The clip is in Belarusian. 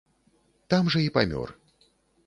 Там жа і памёр.